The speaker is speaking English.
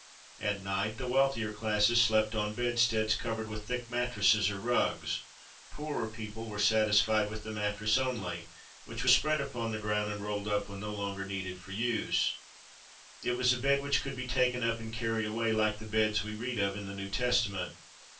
At night the wealthier classes slept on bedsteads covered with thick mattresses or rugs. Poorer people were satis fied with the mattress only, which was spread upon the ground, and rolled up when no longer needed for use. It 478 HOW ASSYRIANS AND BABYLONIANS LIVED was a bed which could be taken up and carried away, like the "beds" we read of in the New Testament.